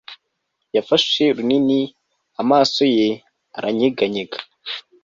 yafashe runini, amaso ye aranyeganyega